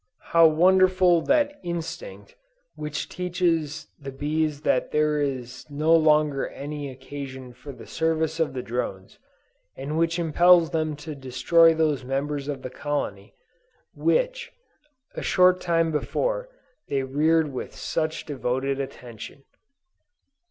How wonderful that instinct which teaches the bees that there is no longer any occasion for the services of the drones, and which impels them to destroy those members of the colony, which, a short time before, they reared with such devoted attention!